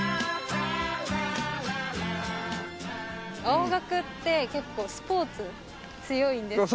青学って結構スポーツ強いんですけど。